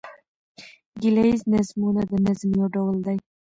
ګيله ييز نظمونه د نظم یو ډول دﺉ.